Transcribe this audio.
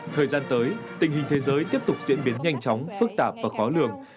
thời gian tới tình hình thế giới tiếp tục diễn biến nhanh chóng phức tạp và khó lường